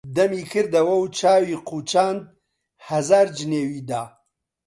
دەمی کردوە و چاوی قوچاند، هەزار جنێوی دا: